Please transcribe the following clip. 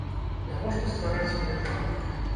Навошта ствараць ім рэкламу?